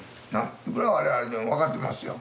それは我々でも分かってますよ。